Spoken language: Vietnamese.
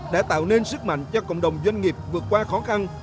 đã tạo nên sức mạnh cho cộng đồng doanh nghiệp vượt qua khó khăn